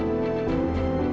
aku akan mengingatmu